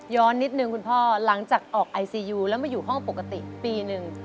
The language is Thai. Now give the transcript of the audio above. ย้อนนิดหนึ่งคุณพ่อหลังจากออกไอซียูและจะอยู่ห้องปกติปีนึง